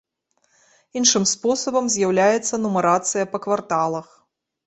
Іншым спосабам з'яўляецца нумарацыя па кварталах.